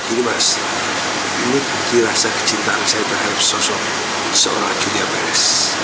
ini mas ini dirasa kecintaan saya terhadap sosok seorang julia perez